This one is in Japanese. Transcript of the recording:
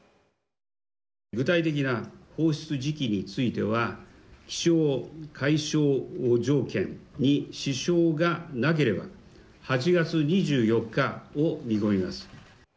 具体的な放出時期については、気象、海象条件に支障がなければ、８月２４日を見込みます。